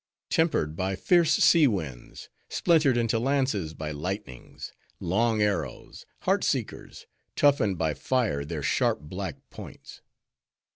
Tempered by fierce sea winds, Splintered into lances by lightnings, Long arrows! Heart seekers! Toughened by fire their sharp black points!